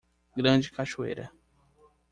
Grande cachoeira